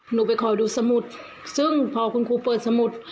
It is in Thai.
หนูไปคอยดูสมุดซึ่งพอคุณครูเปิดสมุด